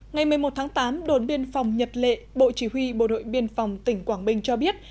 ngày một mươi một tháng tám đồn biên phòng nhật lệ bộ chỉ huy bộ đội biên phòng tỉnh quảng bình cho biết